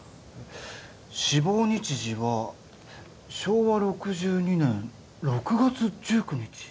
死亡日時は昭和６２年６月１９日。